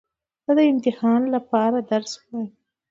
زه د امتحان له پاره درس وایم.